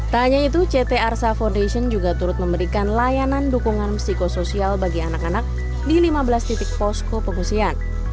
tak hanya itu ct arsa foundation juga turut memberikan layanan dukungan psikosoial bagi anak anak di lima belas titik posko pengungsian